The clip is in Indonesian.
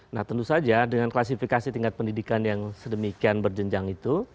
nah tentu saja dengan klasifikasi tingkat pendidikan yang sedemikian berjenjang itu